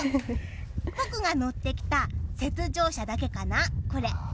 僕が乗ってきた雪上車だけかな？